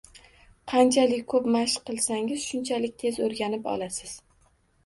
Qanchalik ko’p mashq qilsangiz, shunchalik tez o’rganib olasiz